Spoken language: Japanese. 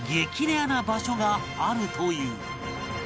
レアな場所があるという